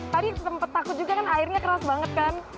tadi sempat takut juga kan airnya keras banget kan